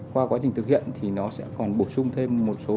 qua quá trình thực hiện thì nó sẽ còn bổ sung thêm một số